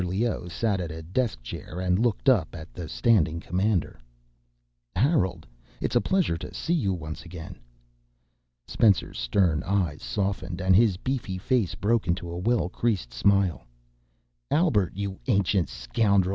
Leoh sat at a desk chair and looked up at the standing commander. "Harold, it's a pleasure to see you once again." Spencer's stern eyes softened, and his beefy face broke into a well creased smile. "Albert, you ancient scoundrel.